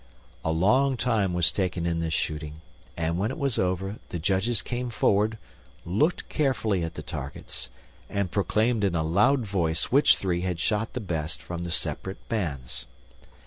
A long time was taken in this shooting, and when it was over the judges came forward, looked carefully at the targets, and proclaimed in a loud voice which three had shot the best from the separate bands.